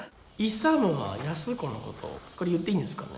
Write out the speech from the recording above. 勇は安子のことをこれ言っていいんですかね？